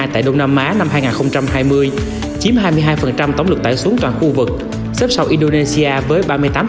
tại đông nam á năm hai nghìn hai mươi chiếm hai mươi hai tổng lực tải xuống toàn khu vực xếp sau indonesia với ba mươi tám